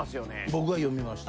僕は読みました。